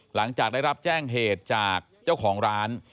หลังจากได้รับแจ้งเหตุจากเจ้าของร้าน